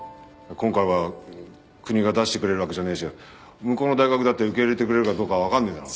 今回は国が出してくれるわけじゃねえし向こうの大学だって受け入れてくれるかどうかわかんねえだろ。